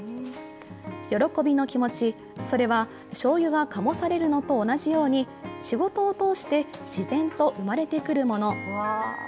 喜びの気持ち、それはしょうゆが醸されるのと同じように、仕事を通して自然と生まれてくるもの。